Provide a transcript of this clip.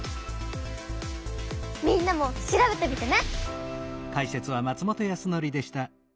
みんなも調べてみてね。